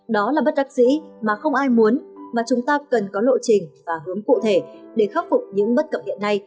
đó là bất đắc dĩ mà không ai muốn mà chúng ta cần có lộ trình và hướng cụ thể để khắc phục những bất cập hiện nay